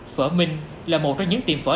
phở minh là một trong những tiệm phở